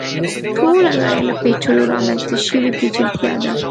ټوله نړۍ له پېچلو رامنځته شوې پېچلتیا ده.